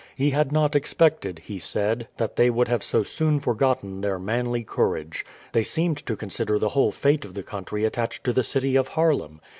He had not expected, he said, that they would have so soon forgotten their manly courage. They seemed to consider the whole fate of the country attached to the city of Haarlem.